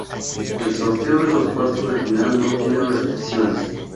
El sorteo de los cuartos de final no tiene restricciones.